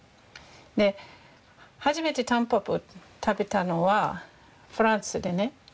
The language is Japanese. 初めてタンポポ食べたのはフランスでね。